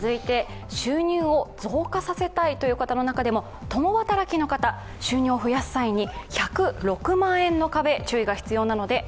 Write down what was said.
続いて収入を増加させたいという方の中でも共働きの方、収入を増やす際に１０６万円の壁に注意が必要です。